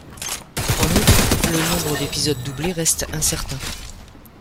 En outre, le nombre d'épisodes doublés reste incertain.